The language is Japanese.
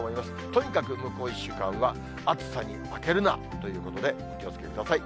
とにかく向こう１週間は、暑さに負けるなということで、お気をつけください。